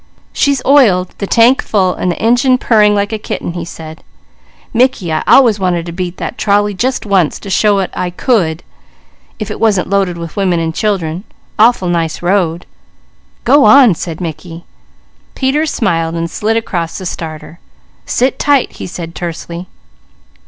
"She's oiled, the tank full, the engine purring like a kitten," he said. "Mickey, I always wanted to beat that trolley just once, to show it I could, if I wasn't loaded with women and children. Awful nice road " "Go on!" said Mickey. Peter smiled, sliding across the starter. "Sit tight!" he said tersely.